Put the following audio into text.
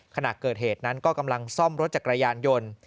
ขณะเกิดเหตุนั้นก็กำลังซ่อมรถจักรยานยนต์